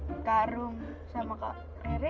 rere sama rung sama rere